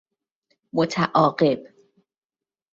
متعاقب